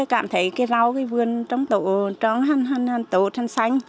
cảm thấy cái rau cái vườn trong tổ trắng tổ trắng xanh